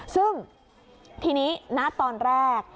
ซึ่งทีนี้ณตอนแรก